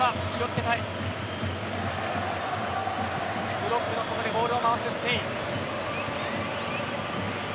ブロックの外でボールを回すスペイン。